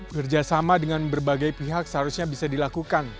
kerjasama dengan berbagai pihak seharusnya bisa dilakukan